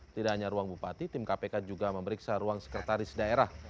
tidak hanya ruang bupati tim kpk juga memeriksa ruang sekretaris daerah